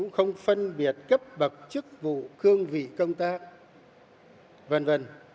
không phân biệt cấp bậc chức vụ cương vị công tác v v